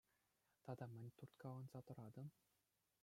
Тата мӗн турткаланса тӑратӑн?